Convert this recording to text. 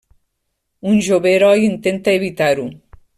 Un jove heroi intenta evitar-ho.